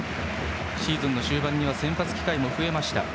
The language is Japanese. シーズン終盤には先発機会も増えました。